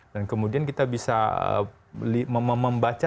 dan kemudian kita bisa membaca